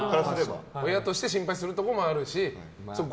親として心配するところもあるしと。